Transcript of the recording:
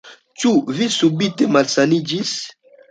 Ĉu vi subite malsaniĝis?